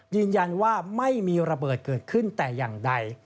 ยืนยันว่าไม่มีระเบิดเกิดขึ้นแต่อย่างใด